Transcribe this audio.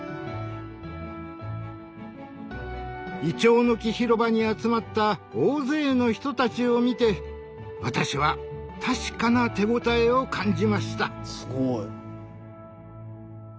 いちょうの木広場に集まった大勢の人たちを見て私は確かな手応えを感じました。